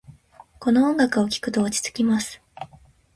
この音楽を聴くと落ち着きます。